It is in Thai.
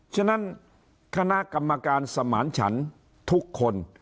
ฉะนั้นคณะกรรมการสมานฉันทุกคน